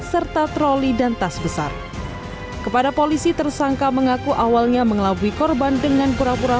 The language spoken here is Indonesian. serta troli dan tas besar kepada polisi tersangka mengaku awalnya mengelabui korban dengan pura pura